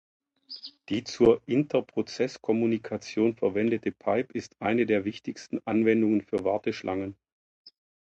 Die zur Interprozesskommunikation verwendete Pipe ist eine der wichtigsten Anwendungen für Warteschlangen.